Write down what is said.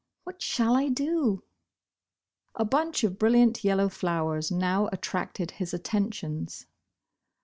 What shall I do?" A bunch of brilliant yellow flowers now at tracted his attentions.